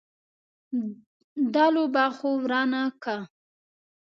دا لوبه خو ورانه که.